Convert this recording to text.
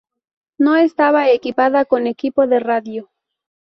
No estaba equipada con equipo de radio.